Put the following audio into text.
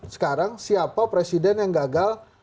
sekarang siapa presiden yang gagal